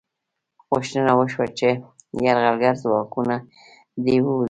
غوښتنه وشوه چې یرغلګر ځواکونه دې ووځي.